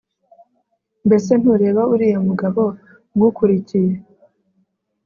mbese ntureba uriya mugabo ugukurikiye?